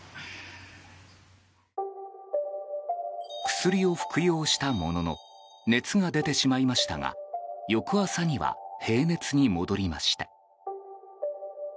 薬を服用したものの熱が出てしまいましたが翌朝には平熱に戻りました。